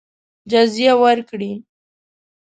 جزیه ورکړي.